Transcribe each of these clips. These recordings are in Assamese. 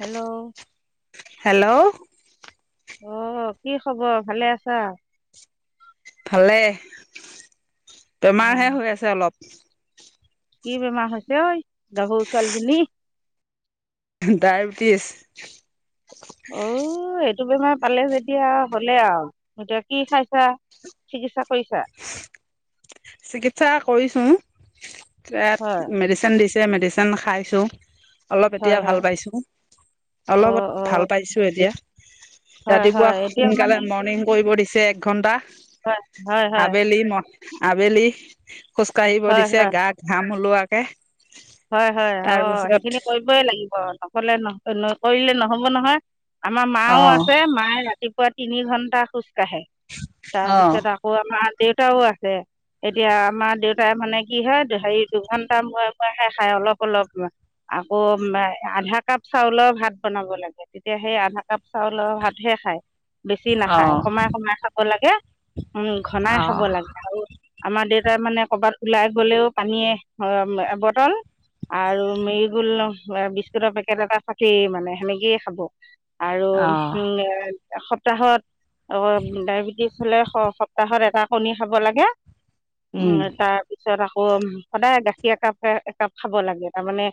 হেল্ল'! হেল্ল'! আহ, কি খবৰ ভালে আছা? ভালে, বেমাৰহে অ' হৈ আছে অলপ। কি বেমাৰ হৈছে ঐ? গাভৰু ছোৱালীজনী। ডায়েবেটিছ। অ'ঔ। এইটো বেমাৰ পালে যেতিয়া হ'লে আও, এতিয়া কি খাইছা? চিকিৎসা কৰিছা? চিকিৎসা কৰিছো হয় তাত মেডিচিন দিছ ছে মেডিচেন খাইছোঁ। অলপ হয় এতিয়া হয় ভাল পাইছোঁ, অ' অলপ অ' ভাল পাইছোঁ এতিয়া। হয় হয় ৰাতিপুৱা এতিয়া মানে সোনকালে মৰ্ণিং কৰিব দিছে এক ঘন্টা। হয় হয় হয়। আবেলি ম আবেলি খোজ কাঢ়িব হয় দিছে, হয় গা ঘাম ওলোৱাকে। হয় হয়, অ' তাৰপিছত সেইখিনি কৰিবই লাগিব নকলে নকৰিলে নহ'ব নহয়। আমাৰ অ মাও আছে, মায়ে ৰাতিপুৱা তিনি ঘণ্টা খোজ কাঢ়ে, অ তাৰপিছত আকৌ আমাৰ দেউতাও আছে, এতিয়া আমাৰ দেউতাই মানে কি হয় হেৰি দুঘণ্টা মুয়ে মুয়েহে খাই অলপ অলপ, আকৌ আধা কাপ চাউলৰ ভাত বনাব লাগে। তেতিয়া, সেই আধা কাপ চাউলৰ ভাতহে খায়। বেছি অ নাখায়, কমাই কমাই খাব লাগে উম ঘনাই অ খাব লাগে। আৰু আমাৰ দেউতাই মানে কৰ'বাত ওলাই গলেও পানীয়ে এ ব [inaudible] আৰু মিৰিগল ন বিস্কুটৰ পেকেট এটা থাকেই মানে সেনেকেই খাব আৰু অ [unintelligible] সপ্তাহত ডায়েবেটিছ হলে সপ্তাহত এটা কণী খাব লাগে উম তাৰ পিছত আকৌ সদায় গাখীৰ একাপ একাপ খাব লাগে তাৰমানে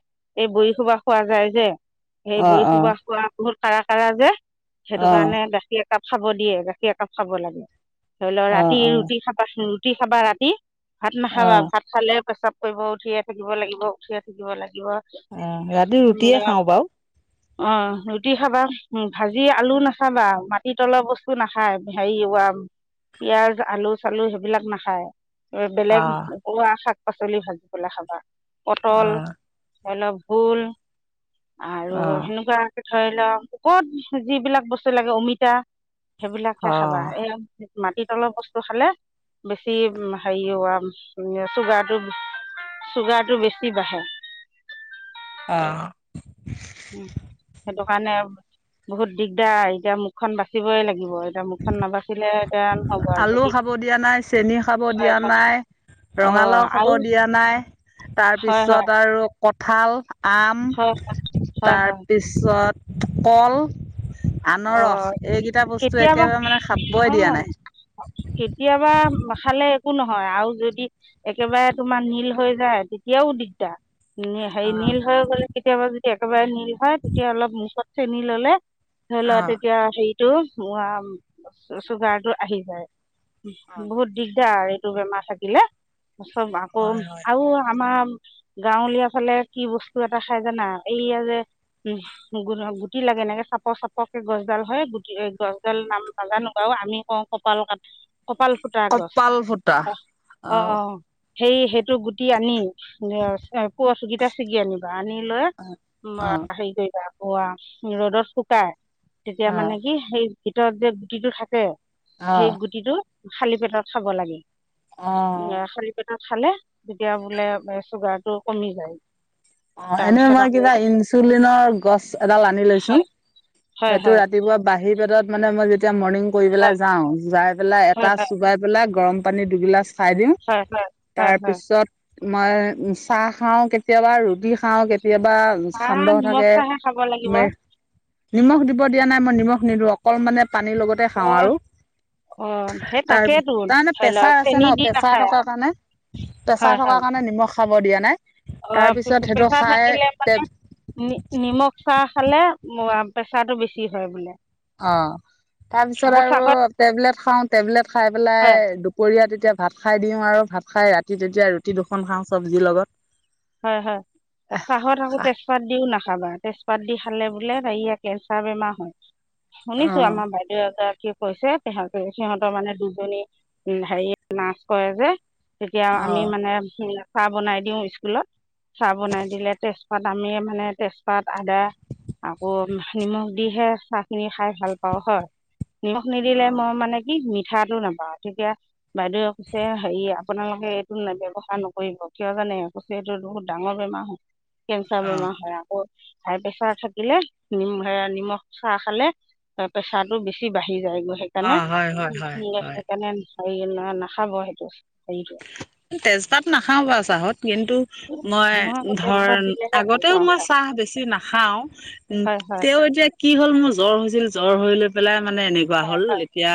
এই বৰি সোপা খোৱা যায় যে সেই অ বৰি অ সোপা খোৱা বহুত কাৰা কাৰা যে সেইটো অ কাৰণে গাখীৰ একাপ খাব দিয়ে গাখীৰ একাপ খাব লাগে ধৰি লওক অ অ অ ৰাতি ৰুটি খাবা ৰুটি খাবা ৰাতি ভাত অ নাখাবা ভাত খালে প্ৰেছাব কৰিব উঠিয়ে থাকিব লাগিব উঠিয়ে থাকিব লাগে অ ৰাতি ৰুটিয়ে খাওঁ বাও অ ৰুটি খাবা উম ভাজি আলু নাখাবা মাটি তলৰ বস্তু নাখায় হেৰিঅ [unintelligible] পিয়াজ আলু চালু সেইবিলাক নাখায় বেলেগ অ', পোৱা শাক পাচ অ', এলফুল আৰু অ', সেনেকুৱা ধৰি লওক কুকত যিবিলাক বস্তু লাগে, অমিতা সেইবিলাকহে খাবা এই মাটিতলৰ বস্তু খালে বেছি হেৰি হ চুগাৰটো চুগাৰটো বেছি বাঢ়ে অ উম সেইটো কাৰণে বহুত দিগদাৰ এতিয়া মুখখন বাচিবই লাগ গিব এতিয়া মুখখন নাবাচিলে এতিয়া নহব আৰু আলু যদি খাব দিয়া নাই, চেনি খাব দিয়া হয় হয় নাই, অঁ ৰঙালাও আৰু খবৰ দিয়া নাই হয় হয় তাৰপিছত আৰু কঁঠাল, আম, হয় হয় হয় তাৰপিছত কল আনৰস অঁ এইকেইটা বস্তু কেতিয়াবা একেবাৰে মানে খাবই দিয়া নহয় নাই। কেতিয়াবা খালে একো নহয়, আৰু যদি একেবাৰে তোমাৰ নীল হৈ যায় তেতিয়াও দিগদাৰ। হেৰি অ', নীল হৈ গ'লে কেতিয়াবা যদি একেবাৰে নীল হয়, তেতিয়া অলপ মুখত চেনি ললে ধৰি লোৱা তেতিয়া হেৰিতটো চুগাৰটো আহি যায়। বহুত দিগদাৰ এইটো বেমাৰ থাকিলে। চব আকৌ হয়, হয়। আৰু আমাৰ গাঁৱলীয়া ফালে কি বস্তু এটা খাই জানা, এইয়া যে উম গুটি লাগে এনেকে চাপৰ চাপ কে গছডাল হয়, গুটি গছডাল নাম নাজানো বাৰু, আমি কওঁ কপাল কা কপাল ফুটা গছ। কপাল ফুটা। অ' অ' সেই সেই টো গুটি আনি পুৱ চকিটা ছিগি আনিবা। আনি লৈ ম অ', হেৰি কৰিবা অ'ৱা, ৰ'দত শুকাই, তেতিয়া অ', মানে কি সেই ভিতৰত যে গুটিটো থাকে সেই অ', গুটিটো খালি পেটত খাব লাগে। অ', এ খালি পেটত খালে, তেতিয়া বোলে চুগাৰ টো কমি যায়। অ' এনেই তাৰপিছত মই আকৌ কিবা ইনচুলিনৰ গছ এডাল আনি লৈছো হয় হয় সেইটো হয় ৰাতিপুৱা বাহি পেটত মানে মই যেতিয়া মৰ্ণং কৰি পেলাই হয় যাওঁ, যাই পেলাই হয় এটা হয় চুবাই পেলাই গৰম পানী দুগিলাচ খাই দিওঁ, হয় হয় হয় হয় তাৰপিছত মই চাহ খাওঁ কেতিয়াবা, ৰুটি খাওঁ কেতি কেতিয়াবা চাহ সান্দহ নিমখ থাকে, চাহে খাব লাগিব নিমখ দিব দিয়া নাই মই নিমখ নিদো, অকল মানে পানীৰ লগতে খাওঁ অঁ আৰু অঁ সেই তাৰপি তাকেতো তাৰমানে ধৰি লওক প্ৰেছাৰ আছে চেনি ন, দি প্ৰেছাৰ নাখায় থকা কাৰণে হয় প্ৰছাৰ থকা হয় কাৰণে নিমখ খাব দিয়া নাই। তাৰপিছত প্ৰচাৰ থাকিলে মানে নি নিমখ চাহ খালে প্ৰেছাৰ টো বেছি হয় বোলে। অ' তাৰপিছত আকৌ আৰু চাহত টেবলেট খাওঁ, টেবলেট খাই পেলাই হয় দুপৰীয়া তেতিয়া ভাত খাই দিওঁ আৰু, ভাত খাই ৰাতি যেতিয়া ৰুটি দুখন খাওঁ চবজিৰ লগত হয় হয়, চাহত আকৌ অ', তেজপাত দিও নাখাবা। তেজপাত দি খালে বোলে এক বেমাৰ হয়। শুনিছো অ'। আমাৰ বাইদেউ এগৰাকী কৈছে তহঁতে সিহঁতৰ মানে দুজনী উ হেৰি ৰ্নাছ কৰে যে তেতিয়া আমি অ', মানে চাহ বনাই দিওঁ স্কুলত চাহ বনাই দিলে তেজপাত আমি মানে তেজপাত আদা আকৌ নিমখ দিহে চাহ খিনি খাই ভাল পাওঁ হয়। নিমখ নিদিলে মই অ', মানে কি মিঠাটো নাপাওঁ। তেতিয়া বাইদেৱে কৈছে হেৰি আপোনালোকে এইটো নে ব্যয়ৱসা নকৰিব, কিয় জানে যিহেতু বহুত ডাঙৰ বেমাৰ হয়, কেঞ্চাৰ বেমাৰ হয় আকৌ। হাই প্ৰেছাৰ থাকিলে নিমখ, নিমখ চাহ খালে প্ৰেছাৰটো বেছি বাঢ়ে। আহি যায়, সেইকাৰণে অ', হয়, হয়, হয়, হয়, সেইকাৰণে হে নাখাব সেইটো হেৰিটো। তেজপাত নাখাও বাৰু চাহত। কিন্তু মই আকৌ ধৰ তেজপাত দিলেহে ভাল আগতেও পাওঁ মই চাহ বেছি নাখাওঁ। খাই হয় তেওঁ এতিয়া কি হ'ল মোৰ জ্বৰ হৈছিল জ্বৰ হৈ লৈ পেলাই মানে এনেকুৱা হল, হয় হয় এতিয়া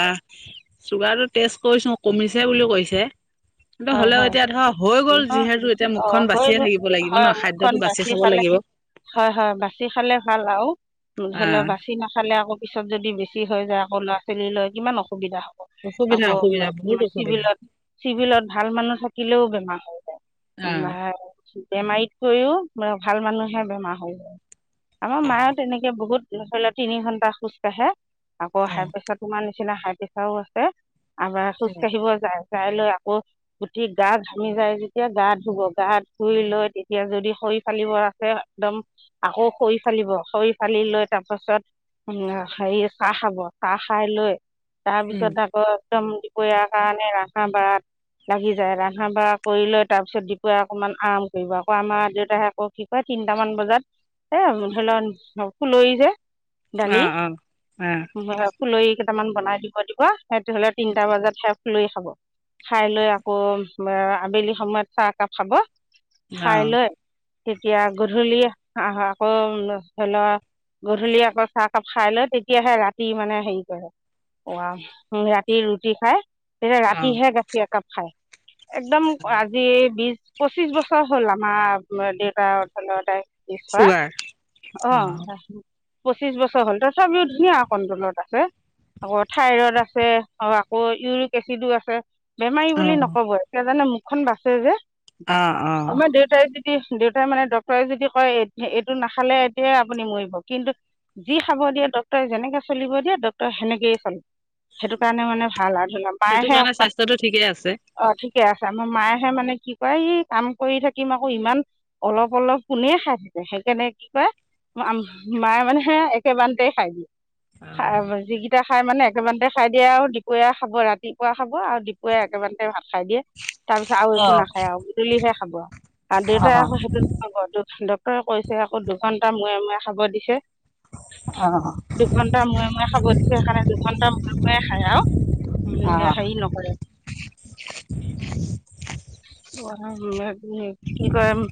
চুগাৰ টো টেষ্ট কৰিছো কমিছে বুলি কৈছে। তো হয় হ'লেও হয় এতিয়া ধৰা হৈ গ'ল নিমখ যিহেতু এতিয়া অঁ মুখখন হৈ বাচিয়ে গ'ল থাকিব লাগিব হয় ন, মুখখন খাদ্যটো বাছি বাচি খাব খালে লাগিব। হয় হয়, বাচি খালে ভাল আৰু, ধৰি লওক আহ বাচি নাখালে আকৌ পিছত যদি বেছি লৈ যাওঁ আকৌ, ল'ৰা ছোৱালী লৈ কিমান অসুবিধা হয়। অসুবিধা আকৌ অসুবিধা বহুত অসুবিধা চিভিলত, চিভিলত ভাল মানুহ থাকিলেও বেমাৰ হৈ আহ যায় বেমাৰীতকৈও ভাল মানুহে বেমাৰ হয়। আমাৰ মায়েও তেনেকে বহুত [unintelligible] তিনি ঘন্টা খোজ কঢ়ে। আকৌ আহ হাই প্ৰেছাৰ তোমাৰ নিচিনা হাই প্ৰেছাৰও আছে, আবাৰ খোজ কঢ়িব যায়। চাই লৈ আকৌ গুঠি গা ঘামি যায় যেতিয়া গা ধুব গা ধুই লৈ তেতিয়া যদি খৰি ফালিব আছে একদম আকৌ খৰি ফালিব। খৰি ফালি লৈ তাৰপাছত উম, হে চাহ খাব, চাহ খাই লৈ উম তাৰপিছত আকৌ একদম দুপৰীয়াৰ কাৰণে ৰান্ধা ভাত। লাগি যায় ৰন্ধা বঢ়া কৰি লৈ তাৰপিছত দুপৰীয়া অকমান আৰাম কৰিব, আকৌ আমাৰ দেউতায়ে আকৌ কি কয় তিনটামান বজাত, এ ধৰি ল' খুলৰি যে? দালি অহ, অহ, অহ। ফুলৰি কেইটামান বনাই দিব দিব, সেইটো হলে তিনটা বজাতহে ফুলৰি খাব। খাই লৈ আকৌ আবেলি সময়ত চাহ একাপ খাব। খাই লৈ তেতিয়া গধূলি আহ আকৌ ধৰি ল' গধূলি আকৌ চাহকাপ খাই লয় তেতিয়াহে ৰাতি মানে হেৰি কৰে অ', ৰাতি ৰুটি খাই তেতিয়া অ অ ৰাতিহে খাই একদম আজি এই বিছ পঁচিশ বছৰ হ'ল আমাৰ দেউতাৰ ধলৰ তাই [unintelligible] চুগাৰ অ অহ। পঁচিছ বছৰ হ'ল তথাপিও ধুনীয়া কণ্ট্ৰলত আছে। আকৌ থাইৰড আছে, আকৌ ইউৰিক এচিডো আছে। বেমাৰী অ বুলি নকব সে জানে মুখখন বাচে যে, অ অ আমাৰ দেউতাই দেউতাই মানে ডক্তৰে যদি কয় এইটো নাখালে এতিয়াই আপুনি মৰিব কিন্তু যি খাব দিয়ে ডক্টৰ যেনেকে চলিব দিয়ে ডক্টৰ সেনেকেই চলে, সেইটো কাৰণে মানে ভাল আৰু। সেইটো মাহে কাৰণে অকমান, স্বাস্থ্যটো ঠিকেই আছে অ', ঠিকে আছে। আমাৰ মায়েহে মানে কি কয় এই কাম কৰি থাকিম আকৌ ইমান, অলপ অলপ কোনে খাই থাকে! যেনেকে কি কয়, মায়ে মানে হে একেবাৰতে খাই দিয়ে। অ যিকেইটা খাই মানে একেবাৰেতে খাই দিয়ে আৰু দুপৰীয়া খাব ৰাতিপুৱা খাব আৰু কে একেবাৰতে ভাত খাই দিয়ে। তাৰপিছত আৰু অ একো নাখায় আৰু। গধূলিহে খাব আৰু। অ দেউতাই আকৌ সেইটো নহব ডক্তৰে কৈছে আকৌ দুঘণ্টা মূৰে মূৰে খাব দিছে। অ দুঘন্টা মূৰে মূৰে খাব দিছে, সেইকাৰণে দুঘন্টা মূৰে মূৰে খায় আৰু। অ উম, হেৰি নকৰে। কি কৰিম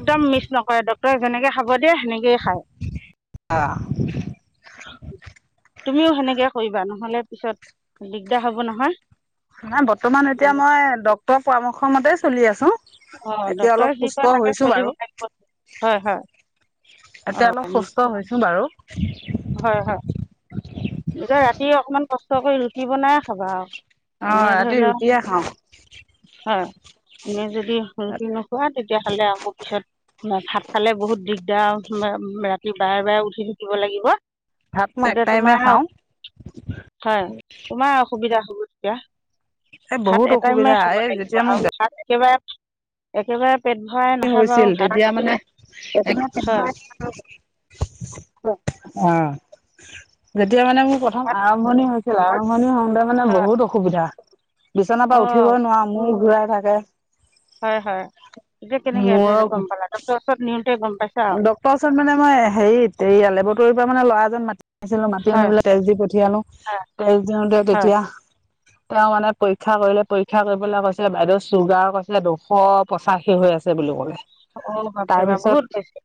একদম মিছ নকৰে ডক্টৰে যেনেকে খাব দিয়ে সেনেকেই খায়। অহ। তুমিও সেনেকে কৰিবা নহলে পিছত দিগদাৰ হ'ব নহয়। নাই বৰ্তমান এতিয়া মই ডক্তৰৰ পৰামৰ্শ মতে চলি আছো। অ', এতিয়া অলপ ডক্তৰে যি সুস্থ কয় তাকে হৈছো চলিব বাৰু লাগিব। হয়, হয়। এতিয়া অলপ সুস্থ হৈছো বাৰু। হয়, হয়, এতিয়া ৰাতি অকমান কষ্ট কৰি ৰুটি বনাই খাবা আৰু। অ এনে ধৰি ৰাতি ল, ৰুটিয়ে খাওঁ হয়, এনে যদি ৰুটি নোখোৱা তেতিয়াহালে আকৌ পিছত ভাত খালে বহুত দিগদাৰ, ৰাতি বাৰে বাৰে উঠি থাকিব লাগিব। ভাত মই এক তেতিয়া টাইমে তোমাৰ খাওঁ। হয়, তোমাৰ অসুবিধা হ'ব তেতিয়া। এই ভাত বহুত এটাইমে অসুবিধা খাব এই লাগিব যেতিয়া মোৰ আৰু ভাত একেবাৰে একেবাৰে পেট ভৰাই নাখাবা আৰু হৈছিল ভাত তেতিয়া মানে অ', হয় যেতিয়া মানে মোৰ প্ৰথম ভাত আৰম্ভণি হৈ আৰম্ভণি হওঁতে মানে হয় বহুত অসুবিধা, বিচনাৰ পৰা অঁ উঠিবই নোৱাৰো মূৰ ঘূৰাই। [inaudible] হয়, হয়, এতিয়া কেনেকে এ গম পালা? ডক্টৰ ওচৰত নিওঁতে গম প ডক্টৰ ওচৰত মানে মই হেৰিত এইয়া লেবৰেটৰী পৰা মানে ল'ৰা এজন মাতি ছিল মাতি হয় আনিপেলে তেজ দি পঠিয়ালো, হয় তেজ দিওতে হয় তেতিয়া তেওঁ মানে পৰীক্ষা কৰিলে পৰীক্ষা কৰিবলৈ কৈছিলে বাইদেউ চুগাৰ কৈছিলে দুশ পঁচাশী হৈ আছে। [unintelligible] বুলি ক'লে। অ', ভাবিবা তাৰপিছত বহুত বেছি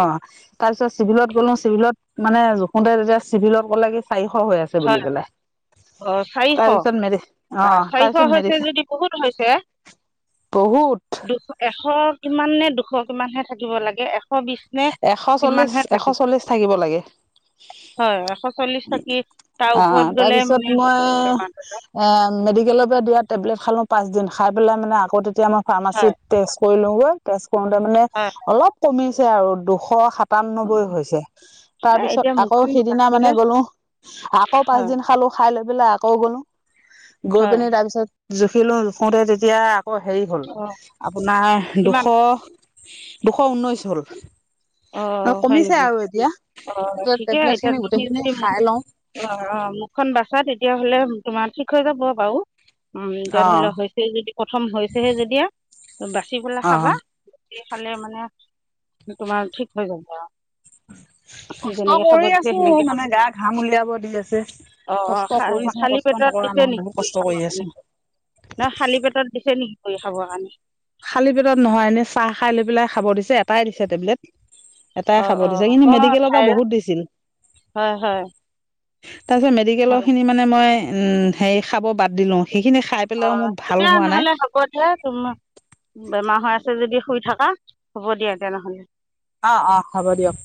অ', তাৰপিছত চিভিলত গ'লো চিভিলত মানে জুখোতে তেতিয়া চিভিলত ক'লে কি চাৰিশ হৈ আছে হয় বুলি পেলাই। অ', চাৰিশ? বা! তাৰপিছত মেডি অ', চাৰিশ তাৰপিছত হৈছে মেডিচিন যদি বহুত হৈছে। বহুত দুশ এশ কিমান নে দুশ কিমানহে থাকিব লাগে, এশ শ বিছ নে এশ চল্লিশ কিমানহে এশ থাকি চল্লিশ থাকিব লাগে। হয় এশ চল্লিশ থাকি, তা অ', তাৰপিছত মই এ মেডিকেলৰ পৰা দিয়াত টেবলেট খালো পাঁচ দিন খাই পেলাই মানে আকৌ তেতিয়া মই হয় ফাৰ্মাচিত টেষ্ট কৰিলো গৈ, তেচ কৰোতে মানে হয় অলপ কমিছে আৰু দুশ সাত সাতান্নব্বৈ হৈছে। তাৰ এ পিছত এতিয়া আকৌ মুখখন সিদিনা মানে বাচিলে গ'লো, আকৌ পাচ হয় দিন খালো, খাই লৈ পেলাই আকৌ গ'লো, গৈ পিনি হয় তাৰ পিছত জুখিলো জুখোতে তেতিয়া শ হেৰি হ'ল অ আপোনাৰ দুশ কিমান দুশ ঊনৈশ হ'ল। অ', হয় কমিছে নেকি? আৰু এতিয়া অ', ঠিকে টেবলেট এতিয়া খিনি তুমি গোটেইখিনি যদি মুখ, খাই লওঁ অ', অ', মুখখন বাচা তেতিয়াহ'লে তোমাৰ ঠিক হৈ যাব বাও। উম, এতিয়া অ ধৰি লও হৈছে যদি প্ৰথম হৈছেহে যেতিয়া, বাচি পেলাই অ খাবা। বাচি খালে মানে তোমাৰ ঠিক হৈ যাব আৰু। কষ্ট কৰি আছো সেনেকে মানে গা ঘাম উলিয়াব দি আছে। অ কষ্ট কৰিছো খালী কষ্ট পেটত নকৰা দিছে নহয় নেকি বহুত [unintelligible] কষ্ট খাব কৰি খানে? আছো খালি পেটত দিছে নেকি কৰি খাবৰ কাৰণে? খালী পেটত নহয় এনেই চাহ খাই লৈ পেলাই খাব দিছে এটাই দিছে টেবলেট এটাই অঁ খাব অঁ দিছে কিন্তু অঁ মেডিকেলৰ পৰা থাইৰড বহুত দিছিল। হয় হয় তাৰপিছত মেডিকেলৰখিনি মানে মই হেৰি খাব বাদ দিলোঁ। অ', এতিয়া নহলে হ'ব দিয়া তোম বেমাৰ হৈ আছে যদি শুই থকা, হ'ব দিয়া তেনেহ'লে। অ', অ', হ'ব দিয়ক।